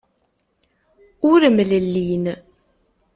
Ur mlellin.